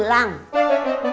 tidak ada yang tahu